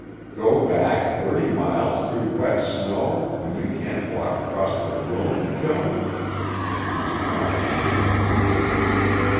"Go back thirty miles through wet snow when you can't walk across the room, Joan?" He smiled pityingly.